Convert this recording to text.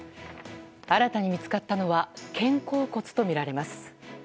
新たに見つかったのは肩甲骨とみられます。